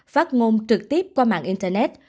phát ngôn trực tiếp qua mạng internet